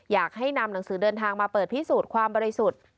อยากให้นำหนังสือเดินทางมาเปิดพิสูจน์ความบริสุทธิ์